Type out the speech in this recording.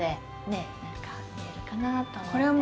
ねえ何か見えるかなと思って。